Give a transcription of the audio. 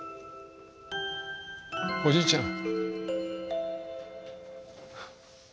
おじいちゃん。